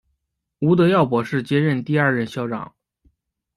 吴德耀博士接任第二任校长。